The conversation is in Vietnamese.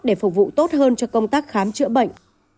để phục vụ tốt hơn cho công tác khám chữa bệnh